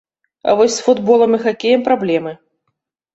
А вось з футболам і хакеем праблемы.